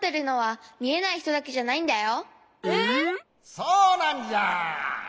そうなんじゃ！